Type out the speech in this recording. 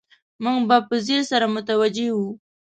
موږ به په ځیر سره متوجه وو.